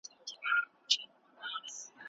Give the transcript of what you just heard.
جهاد د باطل د منځه وړلو وسیله ده.